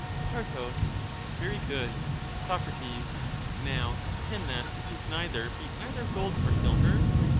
Pro, Very good. Soc, Now, can that which is neither be either gold or silver